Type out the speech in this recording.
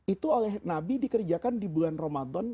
itu oleh nabi dikerjakan di bulan ramadan